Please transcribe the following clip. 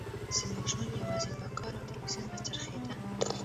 زموږ ژوند یوازې په ښکار او تلویزیون راڅرخیده